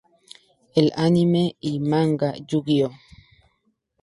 En el anime y manga Yu-Gi-Oh!